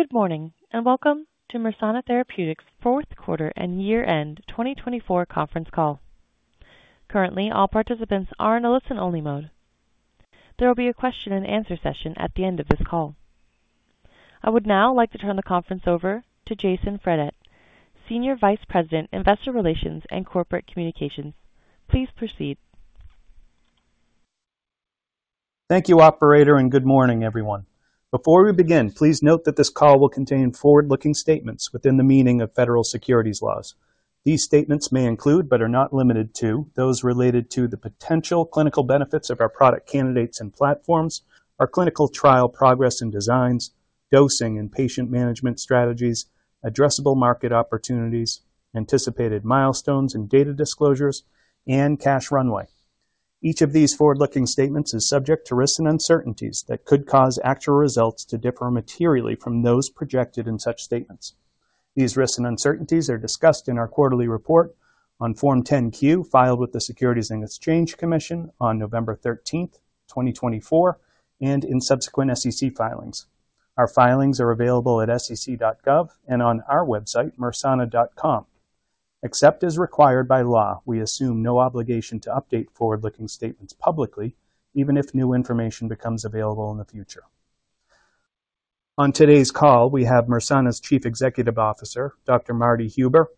Good morning and welcome to Mersana Therapeutics' fourth quarter and year-end 2024 conference call. Currently, all participants are in a listen-only mode. There will be a question-and-answer session at the end of this call. I would now like to turn the conference over to Jason Fredette, Senior Vice President, Investor Relations and Corporate Communications. Please proceed. Thank you, Operator, and good morning, everyone. Before we begin, please note that this call will contain forward-looking statements within the meaning of federal securities laws. These statements may include, but are not limited to, those related to the potential clinical benefits of our product candidates and platforms, our clinical trial progress and designs, dosing and patient management strategies, addressable market opportunities, anticipated milestones and data disclosures, and cash runway. Each of these forward-looking statements is subject to risks and uncertainties that could cause actual results to differ materially from those projected in such statements. These risks and uncertainties are discussed in our quarterly report on Form 10-Q filed with the Securities and Exchange Commission on November 13th, 2024, and in subsequent SEC filings. Our filings are available at sec.gov and on our website, mersana.com. Except as required by law, we assume no obligation to update forward-looking statements publicly, even if new information becomes available in the future. On today's call, we have Mersana's Chief Executive Officer, Dr. Marty Huber,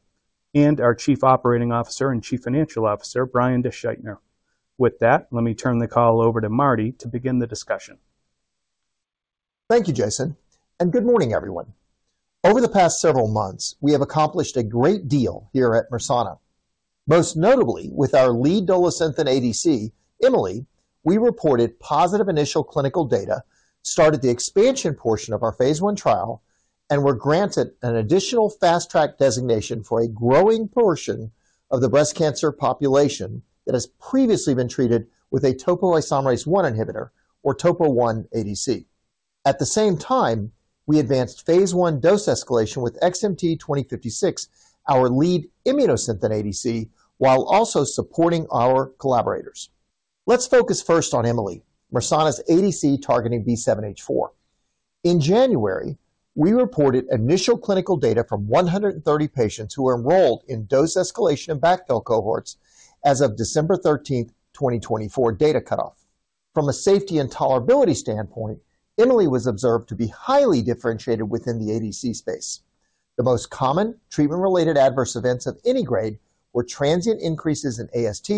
and our Chief Operating Officer and Chief Financial Officer, Brian DeSchuytner. With that, let me turn the call over to Marty to begin the discussion. Thank you, Jason, and good morning, everyone. Over the past several months, we have accomplished a great deal here at Mersana. Most notably, with our lead Dolasynthen ADC, Emi-Le, we reported positive initial clinical data, started the expansion portion of our phase I trial, and were granted an additional Fast Track designation for a growing portion of the breast cancer population that has previously been treated with a topoisomerase I inhibitor, or topo-1 ADC. At the same time, we advanced phase I dose escalation with XMT-2056, our lead Immunosynthen ADC, while also supporting our collaborators. Let's focus first on Emi-Le, Mersana's ADC-targeting B7-H4. In January, we reported initial clinical data from 130 patients who were enrolled in dose escalation and backfill cohorts as of December 13th, 2024, data cutoff. From a safety and tolerability standpoint, Emi-Le was observed to be highly differentiated within the ADC space. The most common treatment-related adverse events of any grade were transient increases in AST,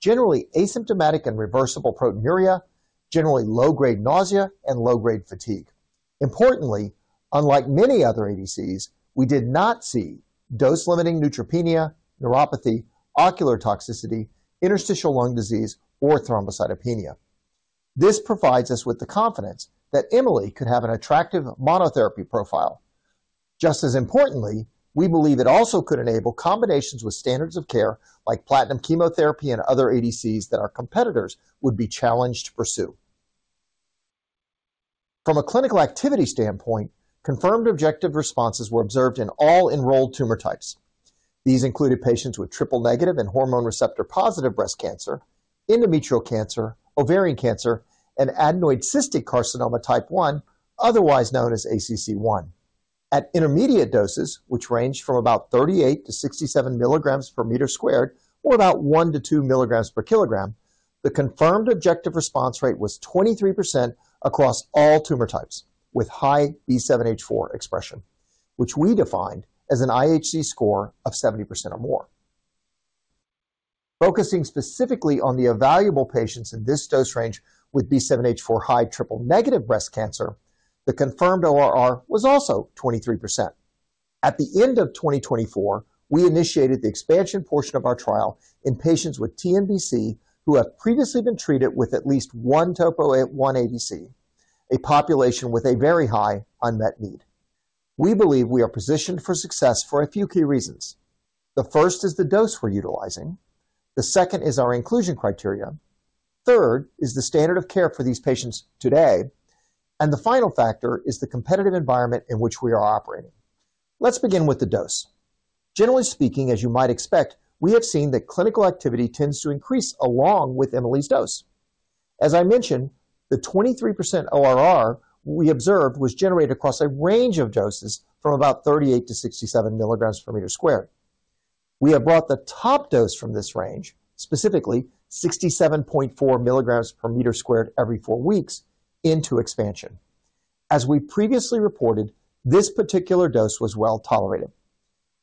generally asymptomatic and reversible proteinuria, generally low-grade nausea, and low-grade fatigue. Importantly, unlike many other ADCs, we did not see dose-limiting neutropenia, neuropathy, ocular toxicity, interstitial lung disease, or thrombocytopenia. This provides us with the confidence that Emi-Le could have an attractive monotherapy profile. Just as importantly, we believe it also could enable combinations with standards of care like platinum chemotherapy and other ADCs that our competitors would be challenged to pursue. From a clinical activity standpoint, confirmed objective responses were observed in all enrolled tumor types. These included patients with triple-negative and hormone receptor-positive breast cancer, endometrial cancer, ovarian cancer, and adenoid cystic carcinoma type 1, otherwise known as ACC1. At intermediate doses, which ranged from about 38-67 mg/m² or about 1-2 mg/kg, the confirmed objective response rate was 23% across all tumor types with high B7-H4 expression, which we defined as an IHC score of 70% or more. Focusing specifically on the evaluable patients in this dose range with B7-H4 high triple-negative breast cancer, the confirmed ORR was also 23%. At the end of 2024, we initiated the expansion portion of our trial in patients with TNBC who have previously been treated with at least one topo-1 ADC, a population with a very high unmet need. We believe we are positioned for success for a few key reasons. The first is the dose we're utilizing. The second is our inclusion criteria. Third is the standard of care for these patients today. The final factor is the competitive environment in which we are operating. Let's begin with the dose. Generally speaking, as you might expect, we have seen that clinical activity tends to increase along with Emi-Le's dose. As I mentioned, the 23% ORR we observed was generated across a range of doses from about 38-67 mg/m². We have brought the top dose from this range, specifically 67.4 mg/m² every four weeks, into expansion. As we previously reported, this particular dose was well tolerated.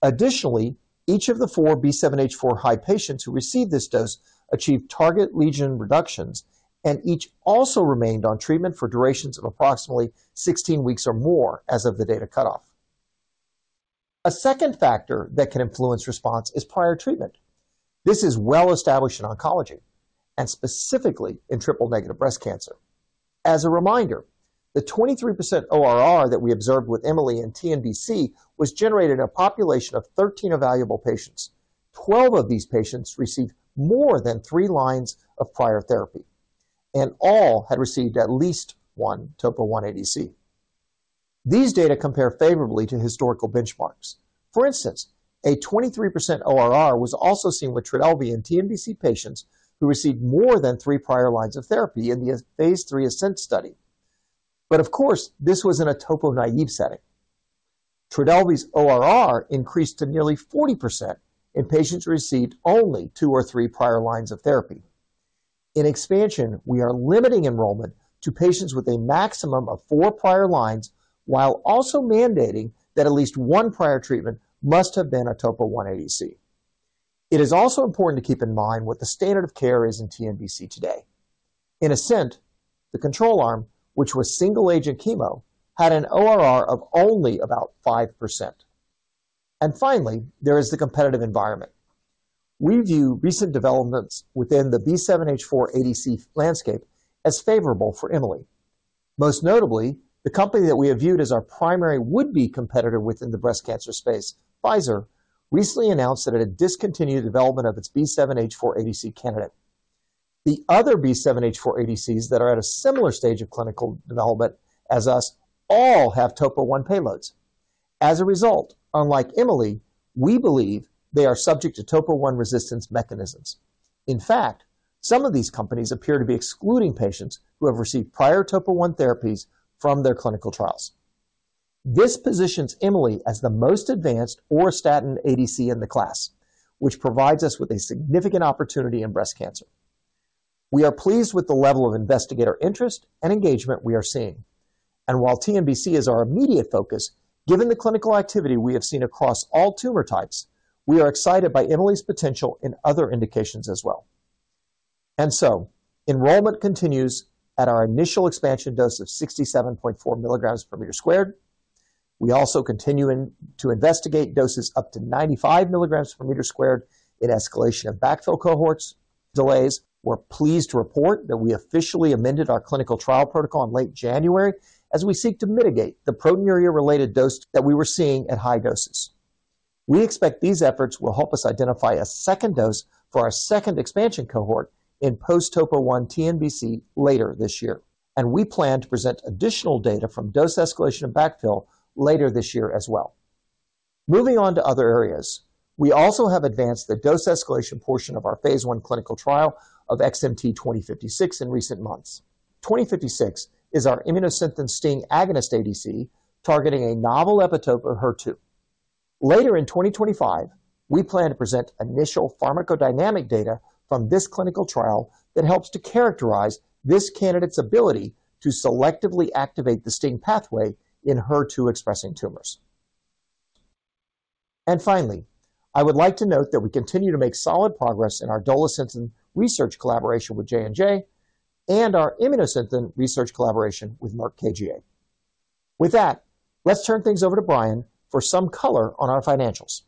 Additionally, each of the four B7-H4 high patients who received this dose achieved target lesion reductions, and each also remained on treatment for durations of approximately 16 weeks or more as of the data cutoff. A second factor that can influence response is prior treatment. This is well established in oncology, and specifically in triple-negative breast cancer. As a reminder, the 23% ORR that we observed with Emi-Le and TNBC was generated in a population of 13 evaluable patients. Twelve of these patients received more than three lines of prior therapy, and all had received at least one topo-1 ADC. These data compare favorably to historical benchmarks. For instance, a 23% ORR was also seen with Trodelvy in TNBC patients who received more than three prior lines of therapy in the phase III ASCENT study. Of course, this was in a topo-naive setting. Trodelvy's ORR increased to nearly 40% in patients who received only two or three prior lines of therapy. In expansion, we are limiting enrollment to patients with a maximum of four prior lines, while also mandating that at least one prior treatment must have been a topo-1 ADC. It is also important to keep in mind what the standard of care is in TNBC today. In ASCENT, the control arm, which was single agent chemo, had an ORR of only about 5%. Finally, there is the competitive environment. We view recent developments within the B7-H4 ADC landscape as favorable for Emi-Le. Most notably, the company that we have viewed as our primary would-be competitor within the breast cancer space, Pfizer, recently announced that it had discontinued development of its B7-H4 ADC candidate. The other B7-H4 ADCs that are at a similar stage of clinical development as us all have topo-1 payloads. As a result, unlike Emi-Le, we believe they are subject to topo-1 resistance mechanisms. In fact, some of these companies appear to be excluding patients who have received prior topo-1 therapies from their clinical trials. This positions Emi-Le as the most advanced auristatin ADC in the class, which provides us with a significant opportunity in breast cancer. We are pleased with the level of investigator interest and engagement we are seeing. While TNBC is our immediate focus, given the clinical activity we have seen across all tumor types, we are excited by Emi-Le's potential in other indications as well. Enrollment continues at our initial expansion dose of 67.4 mg/m². We also continue to investigate doses up to 95 mg/m² in escalation of backfill cohorts. We are pleased to report that we officially amended our clinical trial protocol in late January as we seek to mitigate the proteinuria-related that we were seeing at high doses. We expect these efforts will help us identify a second dose for our second expansion cohort in post-topo-1 TNBC later this year. We plan to present additional data from dose escalation and backfill later this year as well. Moving on to other areas, we also have advanced the dose escalation portion of our phase I clinical trial of XMT-2056 in recent months. 2056 is our Immunosynthen STING agonist ADC targeting a novel epitope of HER2. Later in 2025, we plan to present initial pharmacodynamic data from this clinical trial that helps to characterize this candidate's ability to selectively activate the STING pathway in HER2-expressing tumors. Finally, I would like to note that we continue to make solid progress in our Dolasynthen research collaboration with J&J and our Immunosynthen research collaboration with Merck KGaA. With that, let's turn things over to Brian for some color on our financials.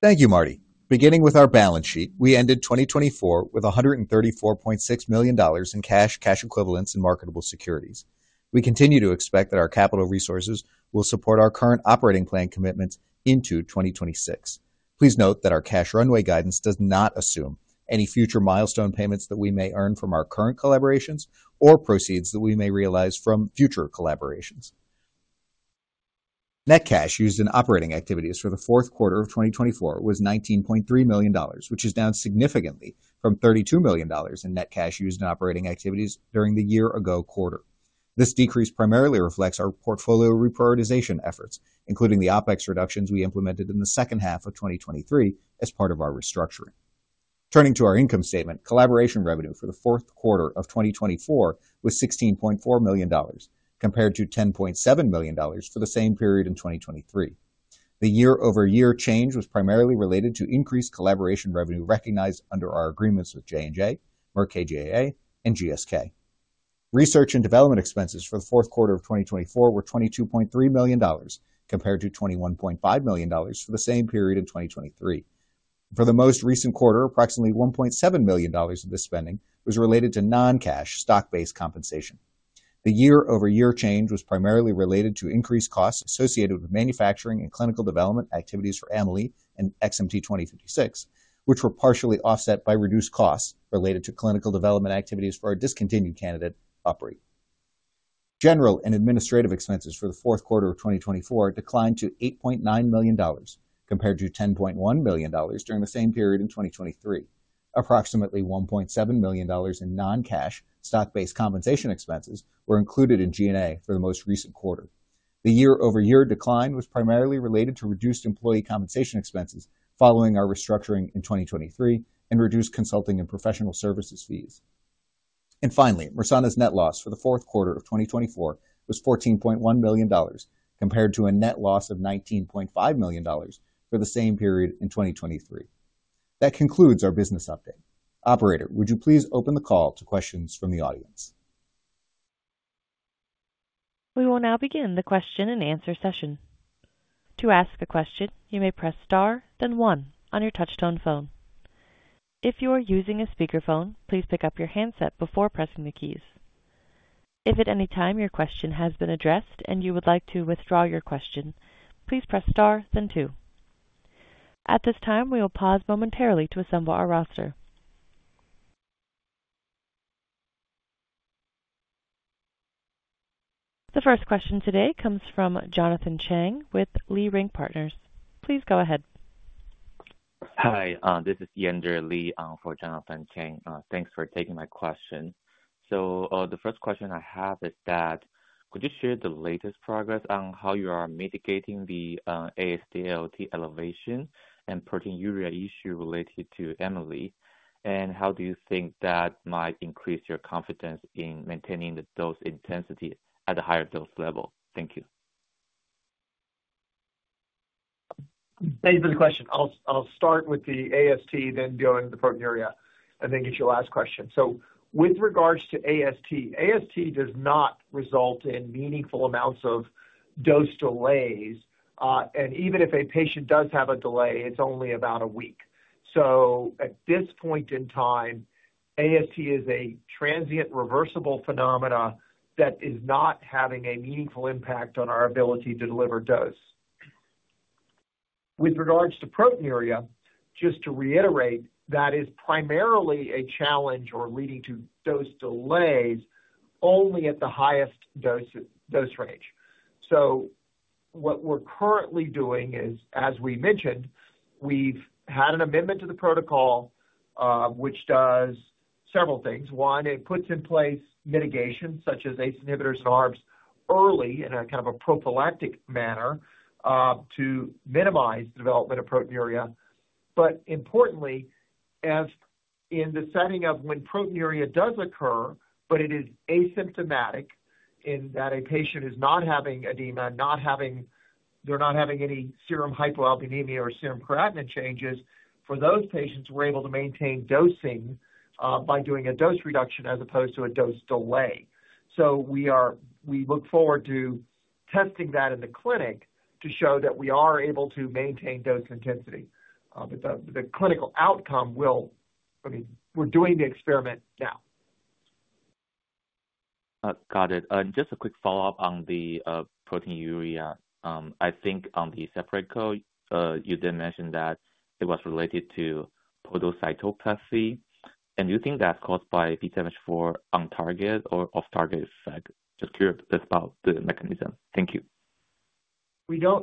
Thank you, Marty. Beginning with our balance sheet, we ended 2024 with $134.6 million in cash, cash equivalents, and marketable securities. We continue to expect that our capital resources will support our current operating plan commitments into 2026. Please note that our cash runway guidance does not assume any future milestone payments that we may earn from our current collaborations or proceeds that we may realize from future collaborations. Net cash used in operating activities for the fourth quarter of 2024 was $19.3 million, which is down significantly from $32 million in net cash used in operating activities during the year-ago quarter. This decrease primarily reflects our portfolio reprioritization efforts, including the OpEx reductions we implemented in the second half of 2023 as part of our restructuring. Turning to our income statement, collaboration revenue for the fourth quarter of 2024 was $16.4 million, compared to $10.7 million for the same period in 2023. The year-over-year change was primarily related to increased collaboration revenue recognized under our agreements with J&J, Merck KGaA, and GSK. Research and development expenses for the fourth quarter of 2024 were $22.3 million, compared to $21.5 million for the same period in 2023. For the most recent quarter, approximately $1.7 million of this spending was related to non-cash stock-based compensation. The year-over-year change was primarily related to increased costs associated with manufacturing and clinical development activities for Emi-Le and XMT-2056, which were partially offset by reduced costs related to clinical development activities for our discontinued candidate, UpRi. General and administrative expenses for the fourth quarter of 2024 declined to $8.9 million, compared to $10.1 million during the same period in 2023. Approximately $1.7 million in non-cash stock-based compensation expenses were included in G&A for the most recent quarter. The year-over-year decline was primarily related to reduced employee compensation expenses following our restructuring in 2023 and reduced consulting and professional services fees. Finally, Mersana's net loss for the fourth quarter of 2024 was $14.1 million, compared to a net loss of $19.5 million for the same period in 2023. That concludes our business update. Operator, would you please open the call to questions from the audience? We will now begin the question-and-answer session. To ask a question, you may press star, then one on your touchstone phone. If you are using a speakerphone, please pick up your handset before pressing the keys. If at any time your question has been addressed and you would like to withdraw your question, please press star, then two. At this time, we will pause momentarily to assemble our roster. The first question today comes from Jonathan Chang with Leerink Partners. Please go ahead. Hi, this is Yen-Der Li for Jonathan Chang. Thanks for taking my question. The first question I have is that, could you share the latest progress on how you are mitigating the AST/ALT elevation and proteinuria issue related to Emi-Le, and how do you think that might increase your confidence in maintaining the dose intensity at a higher dose level? Thank you. Thank you for the question. I'll start with the AST, then going to the proteinuria, and then get your last question. With regards to AST, AST does not result in meaningful amounts of dose delays. Even if a patient does have a delay, it's only about a week. At this point in time, AST is a transient reversible phenomena that is not having a meaningful impact on our ability to deliver dose. With regards to proteinuria, just to reiterate, that is primarily a challenge or leading to dose delays only at the highest dose range. What we're currently doing is, as we mentioned, we've had an amendment to the protocol, which does several things. One, it puts in place mitigation, such as ACE inhibitors and ARBs, early in a kind of a prophylactic to minimize the development of proteinuria. Importantly, as in the setting of when proteinuria does occur, but it is asymptomatic in that a patient is not having edema, not having any serum hypoalbuminemia or serum creatinine changes, for those patients, we're able to maintain dosing by doing a dose reduction as opposed to a dose delay. We look forward to testing that in the clinic to show that we are able to maintain dose intensity. The clinical outcome will, I mean, we're doing the experiment now. Got it. Just a quick follow-up on the proteinuria. I think on the separate call, you did mention that it was related to podocytopathy. Do you think that's caused by B7-H4 on-target or off-target effect? Just curious about the mechanism. Thank you.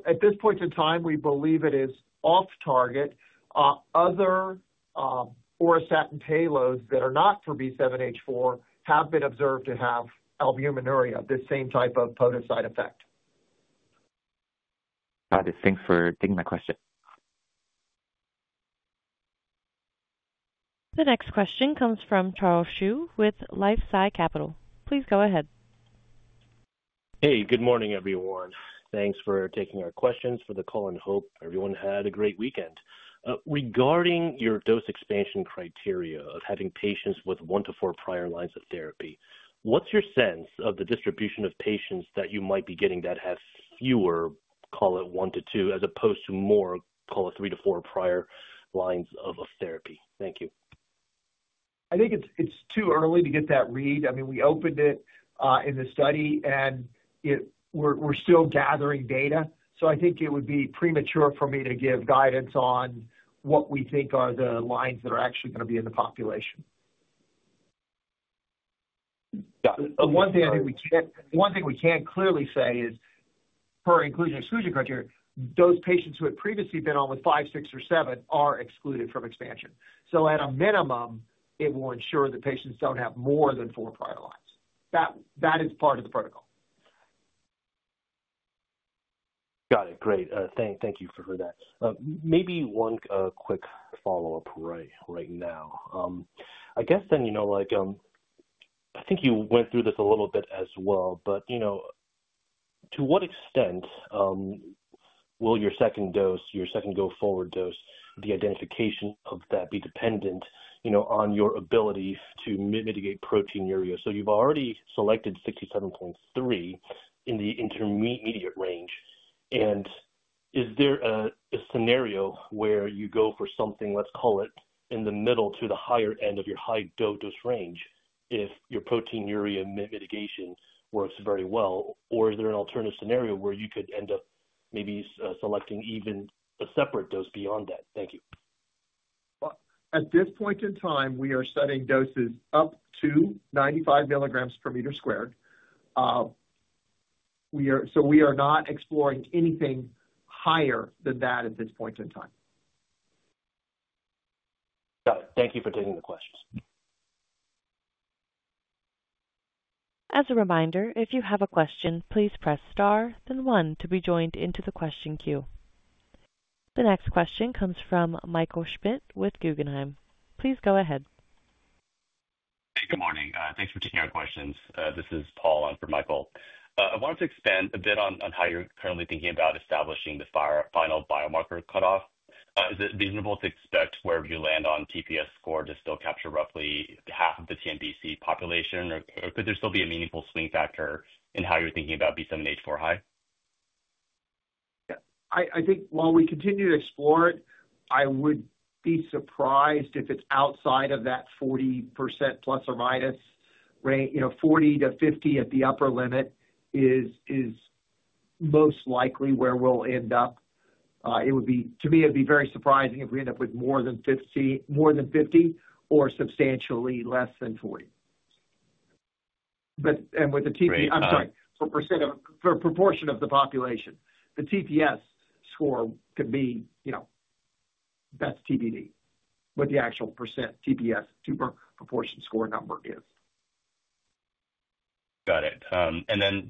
At this point in time, we believe it is off-target. Other auristatin payloads that are not for B7-H4 have been observed to have albuminuria, the same type of podocyte effect. Got it. Thanks for taking my question. The next question comes from Charles Zhu with LifeSci Capital. Please go ahead. Hey, good morning, everyone. Thanks for taking our questions for the call and hope everyone had a great weekend. Regarding your dose expansion criteria of having patients with one to four prior lines of therapy, what's your sense of the distribution of patients that you might be getting that have fewer, call it one to two, as opposed to more, call it three to four prior lines of therapy? Thank you. I think it's too early to get that read. I mean, we opened it in the study, and we're still gathering data. I think it would be premature for me to give guidance on what we think are the lines that are actually going to be in the population. One thing I think we can clearly say is, per inclusion-exclusion criteria, those patients who had previously been on with five, six, or seven are excluded from expansion. At a minimum, it will ensure the patients don't have more than four prior lines. That is part of the protocol. Got it. Great. Thank you for that. Maybe one quick follow-up right now. I guess then, I think you went through this a little bit as well, but to what extent will your second dose, your second go-forward dose, the identification of that be dependent on your ability to mitigate proteinuria? So you've already selected 67.3 in the intermediate range. And is there a scenario where you go for something, let's call it, in the middle to the higher end of your high-dose range if your proteinuria mitigation works very well? Or is there an alternative scenario where you could end up maybe selecting even a separate dose beyond that? Thank you. At this point in time, we are setting doses up to 95 mg/m². We are not exploring anything higher than that at this point in time. Got it. Thank you for taking the questions. As a reminder, if you have a question, please press star, then one to be joined into the question queue. The next question comes from Michael Schmidt with Guggenheim. Please go ahead. Hey, good morning. Thanks for taking our questions. This is Paul, and I'm from Michael. I wanted to expand a bit on how you're currently thinking about establishing the final biomarker cutoff. Is it reasonable to expect wherever you land on TPS score to still capture roughly half of the TNBC population? Or could there still be a meaningful swing factor in how you're thinking about B7-H4 high? Yeah. I think while we continue to explore it, I would be surprised if it's outside of that 40%±. 40-50% at the upper limit is most likely where we'll end up. To me, it'd be very surprising if we end up with more than 50% or substantially less than 40%. With the TPS, I'm sorry, for proportion of the population, the TPS score could be, that's TBD, what the actual percent TPS proportion score number is. Got it.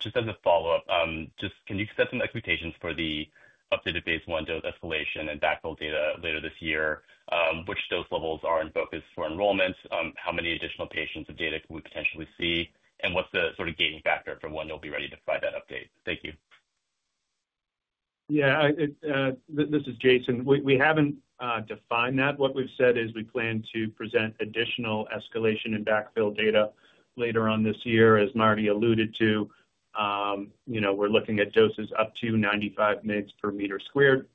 Just as a follow-up, can you set some expectations for the updated phase one dose escalation and backfill data later this year? Which dose levels are in focus for enrollment? How many additional patients of data can we potentially see? What is the sort of gating factor for when you'll be ready to provide that update? Thank you. Yeah, this is Jason. We haven't defined that. What we've said is we plan to present additional escalation and backfill data later on this year, as Marty alluded to. We're looking at doses up to 95 mg/m²,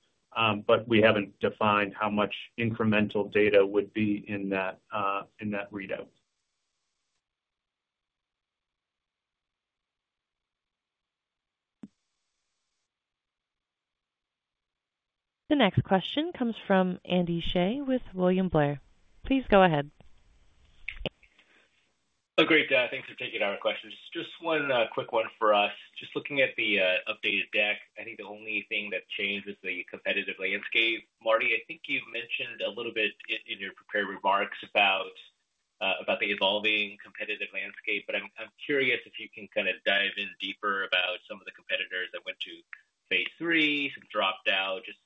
but we haven't defined how much incremental data would be in that readout. The next question comes from Andy Hsieh with William Blair. Please go ahead. Oh, great. Thanks for taking our questions. Just one quick one for us. Just looking at the updated deck, I think the only thing that changed is the competitive landscape. Marty, I think you've mentioned a little bit in your prepared remarks about the evolving competitive landscape, but I'm curious if you can kind of dive in deeper about some of the competitors that went to phase three, some dropped out, just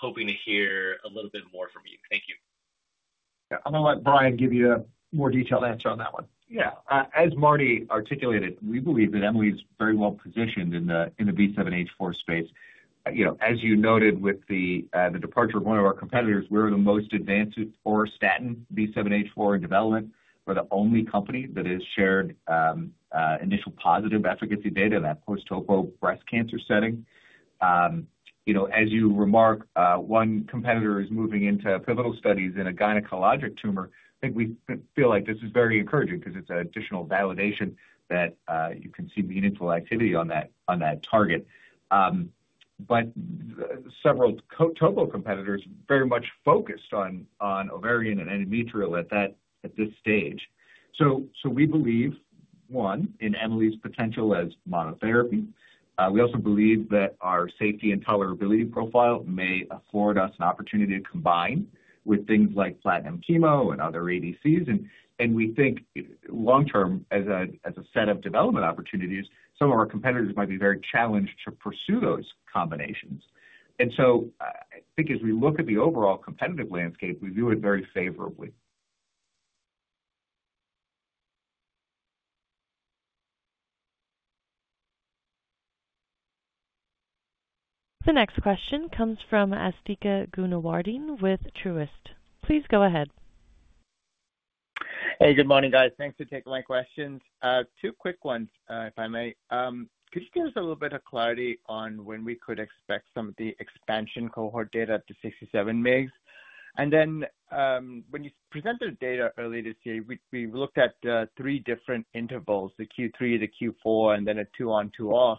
hoping to hear a little bit more from you. Thank you. Yeah. I'm going to let Brian give you a more detailed answer on that one. Yeah. As Marty articulated, we believe that Emi-Le is very well positioned in the B7-H4 space. As you noted with the departure of one of our competitors, we're the most advanced o auristatin B7-H4 in development. We're the only company that has shared initial positive efficacy data in that post-topo breast cancer setting. As you remark, one competitor is moving into pivotal studies in a gynecologic tumor. I think we feel like this is very encouraging because it's an additional validation that you can see meaningful activity on that target. Several topo competitors are very much focused on ovarian and endometrial at this stage. We believe, one, in Emi-Le's potential as monotherapy. We also believe that our safety and tolerability profile may afford us an opportunity to combine with things like platinum chemo and other ADCs. We think long-term, as a set of development opportunities, some of our competitors might be very challenged to pursue those combinations. I think as we look at the overall competitive landscape, we view it very favorably. The next question comes from Asthika Goonewardene with Truist. Please go ahead. Hey, good morning, guys. Thanks for taking my questions. Two quick ones, if I may. Could you give us a little bit of clarity on when we could expect some of the expansion cohort data up to 67 mg? And then when you presented data earlier this year, we looked at three different intervals, the Q3, the Q4, and then a two-on, two-off.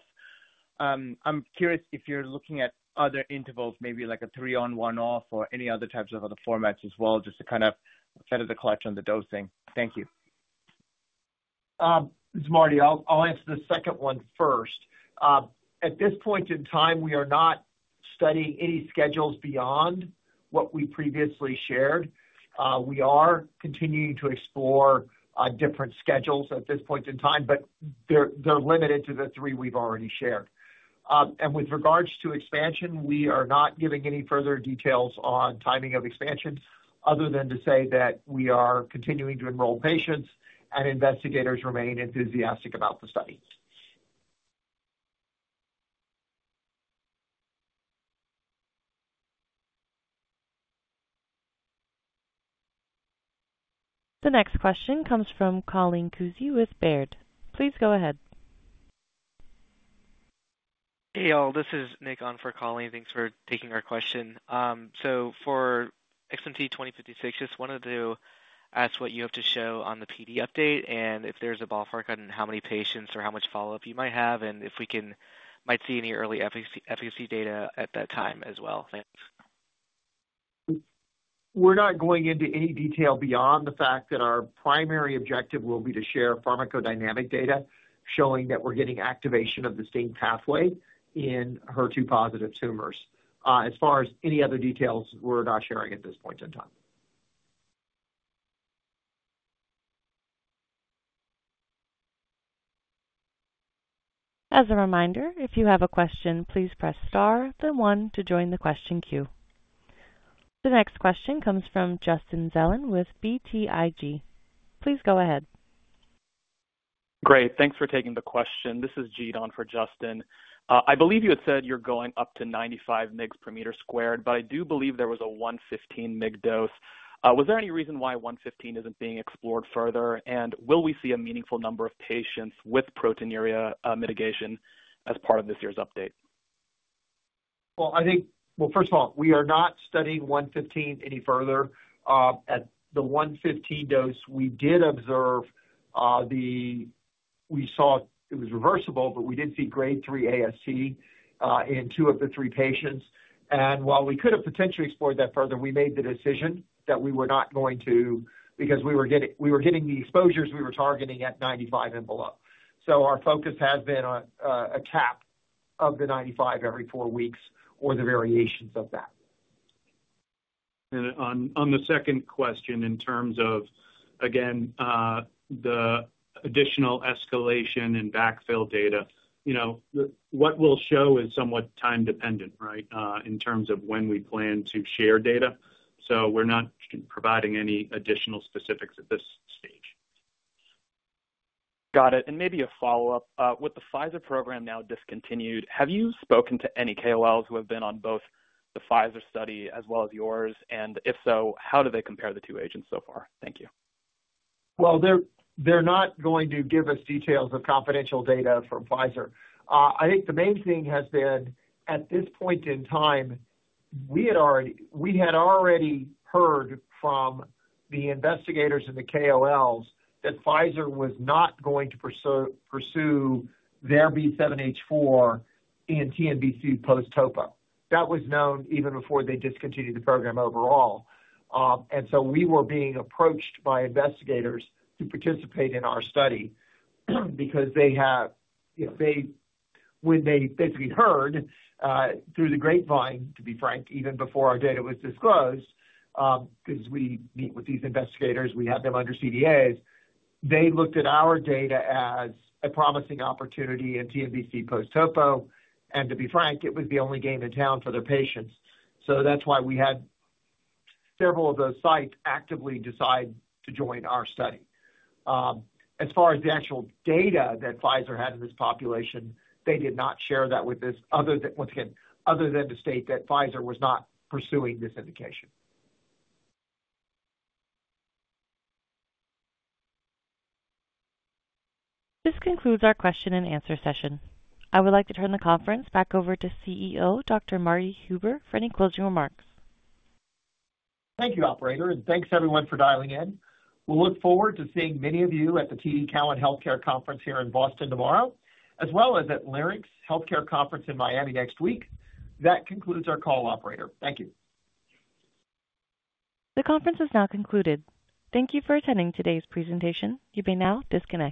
I'm curious if you're looking at other intervals, maybe like a three-on, one-off, or any other types of other formats as well, just to kind of better the clutch on the dosing. Thank you. This is Marty. I'll answer the second one first. At this point in time, we are not studying any schedules beyond what we previously shared. We are continuing to explore different schedules at this point in time, but they're limited to the three we've already shared. With regards to expansion, we are not giving any further details on timing of expansion other than to say that we are continuing to enroll patients, and investigators remain enthusiastic about the study. The next question comes from Colleen Kusy with Baird. Please go ahead. Hey, y'all. This is Nick on for Colleen. Thanks for taking our question. For XMT-2056, just wanted to ask what you have to show on the PD update and if there's a ballpark on how many patients or how much follow-up you might have and if we might see any early efficacy data at that time as well. Thanks. We're not going into any detail beyond the fact that our primary objective will be to share pharmacodynamic data showing that we're getting activation of the STING pathway in HER2-positive tumors. As far as any other details, we're not sharing at this point in time. As a reminder, if you have a question, please press star, then one to join the question queue. The next question comes from Justin Zelin with BTIG. Please go ahead. Great. Thanks for taking the question. This is Gideon for Justin. I believe you had said you're going up to 95 mg/m², but I do believe there was a 115 mg dose. Was there any reason why 115 isn't being explored further? Will we see a meaningful number of patients with proteinuria mitigation as part of this year's update? I think, first of all, we are not studying 115 mg any further. At the 115 mg dose, we did observe that we saw it was reversible, but we did see grade 3 ASC in two of the three patients. While we could have potentially explored that further, we made the decision that we were not going to because we were getting the exposures we were targeting at 95 mg and below. Our focus has been a cap of the 95 mg every four weeks or the variations of that. On the second question, in terms of, again, the additional escalation and backfill data, what we'll show is somewhat time-dependent, right, in terms of when we plan to share data. We are not providing any additional specifics at this stage. Got it. Maybe a follow-up. With the Pfizer program now discontinued, have you spoken to any KOLs who have been on both the Pfizer study as well as yours? If so, how do they compare the two agents so far? Thank you. They're not going to give us details of confidential data from Pfizer. I think the main thing has been, at this point in time, we had already heard from the investigators and the KOLs that Pfizer was not going to pursue their B7-H4 in TNBC post-topo. That was known even before they discontinued the program overall. We were being approached by investigators to participate in our study because they have, when they basically heard through the grapevine, to be frank, even before our data was disclosed, because we meet with these investigators, we have them under CDAs, they looked at our data as a promising opportunity in TNBC post-topo. To be frank, it was the only game in town for their patients. That's why we had several of those sites actively decide to join our study. As far as the actual data that Pfizer had in this population, they did not share that with us, once again, other than to state that Pfizer was not pursuing this indication. This concludes our question-and-answer session. I would like to turn the conference back over to CEO, Dr. Marty Huber for any closing remarks. Thank you, operator. Thank you, everyone, for dialing in. We look forward to seeing many of you at the TD Cowen Healthcare Conference here in Boston tomorrow, as well as at Leerink's Healthcare Conference in Miami next week. That concludes our call, operator. Thank you. The conference is now concluded. Thank you for attending today's presentation. You may now disconnect.